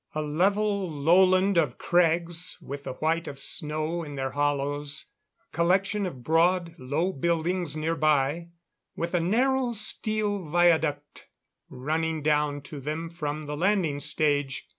A level lowland of crags with the white of snow in their hollows; a collection of broad, low buildings nearby, with a narrow steel viaduct running down to them from the landing stage.